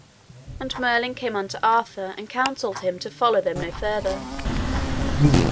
And Merlin came unto Arthur, and counselled him to follow them no further.